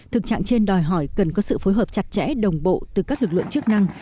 thực trạng trên đòi hỏi cần có sự phối hợp chặt chẽ đồng bộ từ các lực lượng chức năng